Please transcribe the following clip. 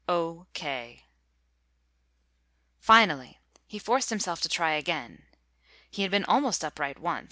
"O K." Finally he forced himself to try again. He had been almost upright once.